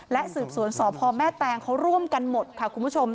และสืบสวนสพแม่แตงเขาร่วมกันหมดค่ะคุณผู้ชม